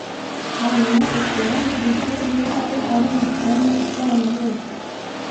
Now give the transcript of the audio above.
hanyuma uteranyirize iwawe abo mufitanye isano bose